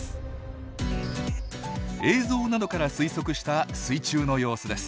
映像などから推測した水中の様子です。